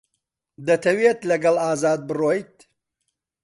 دەتەوێت لەگەڵ ئازاد بڕۆیت؟